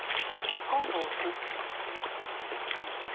だけど現実は。